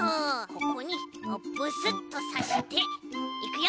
ここにブスッとさしていくよ！